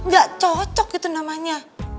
gak cocok gitu namanya